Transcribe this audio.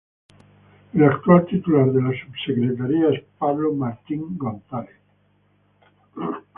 El actual titular de la subsecretaría es Pablo Martín González.